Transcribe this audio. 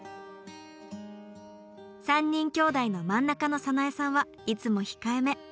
３人きょうだいの真ん中の早苗さんはいつも控えめ。